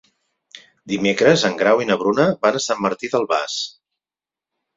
Dimecres en Grau i na Bruna van a Sant Martí d'Albars.